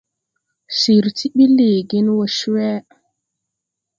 Cir ti ɓi lɛɛgen wɔ cwe.